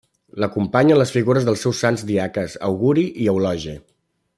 L'acompanyen les figures dels seus sants diaques, Auguri i Eulogi.